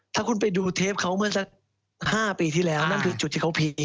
ถ้าคุณไปดูเทปเขาเมื่อสัก๕ปีที่แล้วนั่นคือจุดที่เขาพีคอีก